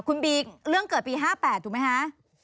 คุณบีเรื่องเกิดปี๕๘ถูกไหมคะ